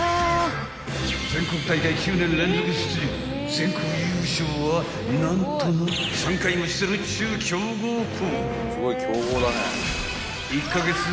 ［全国優勝は何とな３回もしてるっちゅう強豪校］